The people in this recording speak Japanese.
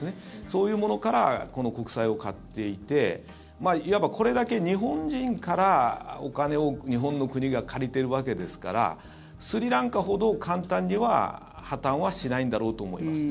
そういうものからこの国債を買っていていわばこれだけ日本人からお金を日本の国が借りてるわけですからスリランカほど簡単には破たんはしないんだろうと思います。